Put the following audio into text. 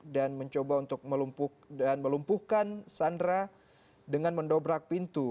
dan mencoba untuk melumpuhkan sandera dengan mendobrak pintu